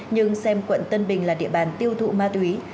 nhưng xem quận tân bình là địa bàn tiêu thụ ma túy